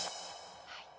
はい。